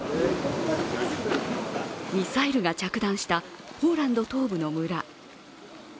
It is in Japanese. ミサイルが着弾したポーランド東部の村。